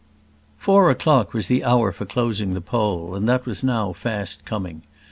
Four o'clock was the hour for closing the poll, and that was now fast coming.